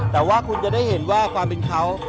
แต่ว่าคุณจะได้เห็นว่าความเป็นเขา